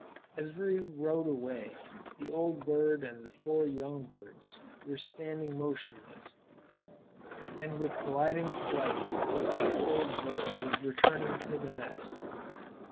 As we rode away the old bird and the four young birds were standing motionless, and with gliding flight the other old bird was returning to the nest.